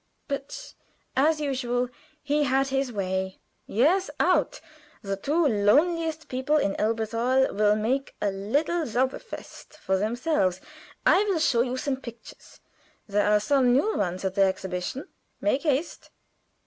But, as usual, he had his way. "Yes out. The two loneliest people in Elberthal will make a little zauberfest for themselves. I will show you some pictures. There are some new ones at the exhibition. Make haste."